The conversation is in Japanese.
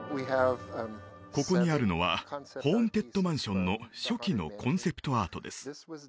ここにあるのはホーンテッドマンションの初期のコンセプトアートです